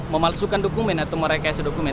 memalsukan dokumen atau merekayasa dokumen